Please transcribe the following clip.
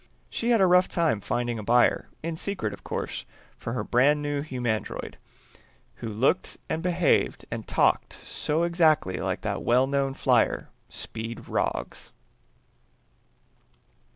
She had a rough time finding a buyer (in secret, of course) for her brand new humandroid, who looked and behaved and talked so exactly like that well known flyer, Speed Roggs....